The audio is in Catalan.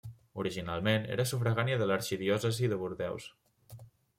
Originalment era sufragània de l'arxidiòcesi de Bordeus.